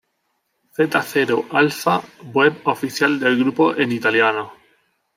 Zeta Zero Alfa web oficial del grupo en italiano.